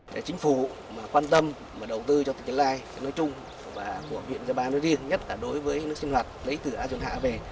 để chính phủ quan tâm và đầu tư cho tình trạng lai nói chung và của huyện gia ba nước riêng nhất là đối với nước sinh hoạt lấy từ a dương hạ về